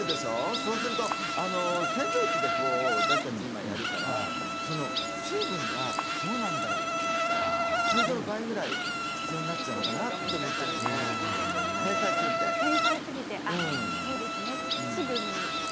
そうすると洗浄機で私たち今やるから水分がどうなんだろうと思って通常の倍ぐらい必要になっちゃうのかなとそうですね。